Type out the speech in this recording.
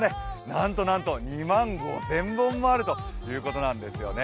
なんとなんと２万５０００本もあるということなんですね。